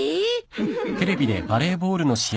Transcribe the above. ウフフフ。